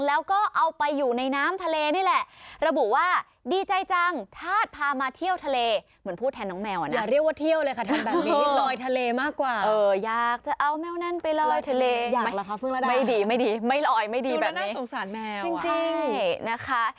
อยากจะเอาแมวนั้นไปลอยทะเลไม่ดีไม่ลอยไม่ดีแบบนี้จริงนะคะ